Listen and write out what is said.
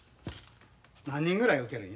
何人ぐらい受けるんや？